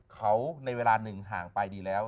เขาในเวลาหนึ่งห่างไปดีแล้ว